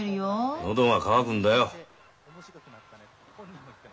喉が渇くんだよ。